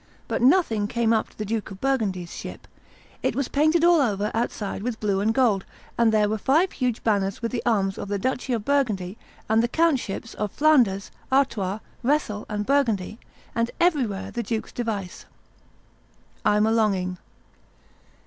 But nothing came up to the Duke of Burgundy's ship; it was painted all over outside with blue and gold, and there were five huge banners with the arms of the duchy of Burgundy and the countships of Flanders, Artois, Rethel, and Burgundy, and everywhere the duke's device, 'I'm a longing.